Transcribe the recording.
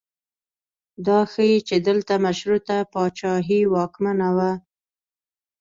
دا ښیي چې دلته مشروطه پاچاهي واکمنه وه.